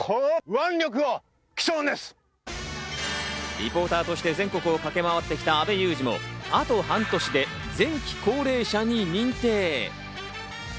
リポーターとして全国を駆け回ってきた阿部祐二も、あと半年で前期高齢者に認定。